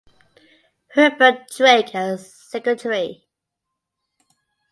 Herbert Drake as secretary.